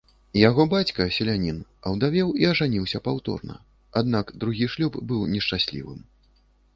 Яго бацька, селянін, аўдавеў і ажаніўся паўторна, аднак другі шлюб быў нешчаслівым.